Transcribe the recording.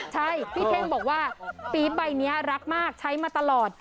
ใช่พี่เท่งบอกว่าปี๊บใบนี้รักมากใช้มาตลอด